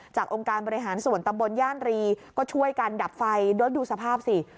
องค์การบริหารส่วนตำบลย่านรีก็ช่วยกันดับไฟแล้วดูสภาพสิ